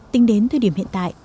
tính đến thời điểm hiện tại